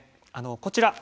こちら